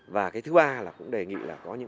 và cái thứ ba là cũng đề nghị là có những